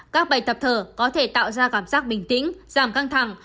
các bài tập thở có thể tạo ra cảm giác bình tĩnh giảm căng thẳng